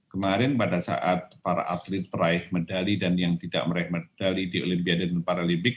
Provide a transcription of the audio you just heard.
kemarin pada saat para atlet peraih medali dan yang tidak meraih medali di olimpiade dan paralimpik